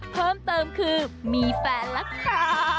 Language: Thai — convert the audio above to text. เพิ่มเติมคือมีแฟนละค่ะ